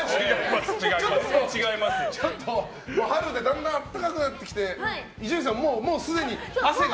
ちょっと春でだんだん暖かくなってきて伊集院さん、もうすでに汗が。